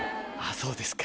そうですか。